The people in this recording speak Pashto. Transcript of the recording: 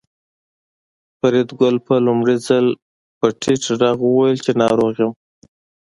فریدګل په لومړي ځل په ټیټ غږ وویل چې ناروغ یم